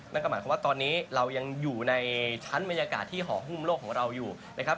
นั่นก็หมายความว่าตอนนี้เรายังอยู่ในชั้นบรรยากาศที่หอหุ้มโลกของเราอยู่นะครับ